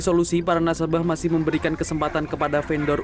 terus si para nasabah masih memberikan kesempatan kepada vendor